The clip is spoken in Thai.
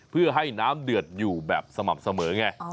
เพื่อให้น้ำเดือดอยู่แบบสม่ำเสมอไง